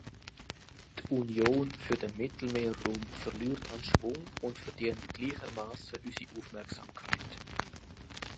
Die Union für den Mittelmeerraum verliert an Schwung und verdient gleichermaßen unsere Aufmerksamkeit.